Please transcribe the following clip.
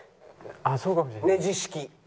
ああそうかもしれない。